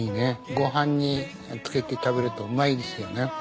ご飯につけて食べるとうまいですよね。